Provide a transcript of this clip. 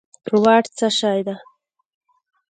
واټ څه شی دي